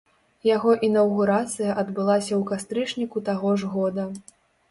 Яго інаўгурацыя адбылася ў кастрычніку таго ж года.